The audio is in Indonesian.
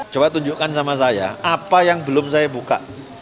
coba tunjukkan sama saya apa yang belum saya buka